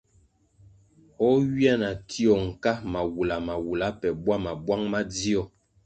O ywia na tio nka mawula mawula pe bwama bwang madzio,